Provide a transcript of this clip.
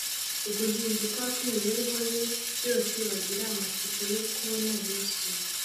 , uguhinduka kw’imibereho ye yose. Bagira amatsiko yo kubona Yesu.